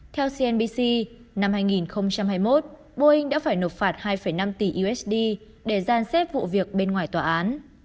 theo cnbc năm hai nghìn hai mươi một boeing đã phải nộp phạt hai năm tỷ usd để gian xếp vụ việc bên ngoài tòa án